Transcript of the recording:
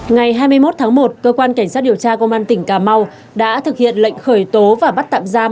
ngày hai mươi một tháng một cơ quan cảnh sát điều tra công an tỉnh cà mau đã thực hiện lệnh khởi tố và bắt tạm giam